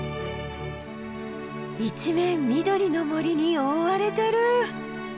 一面緑の森に覆われてる！